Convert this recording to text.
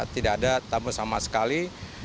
tidak ada tamu sama sekali